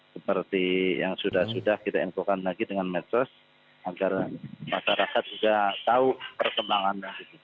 seperti yang sudah sudah kita informasi lagi dengan medsos agar masyarakat sudah tahu perkembangan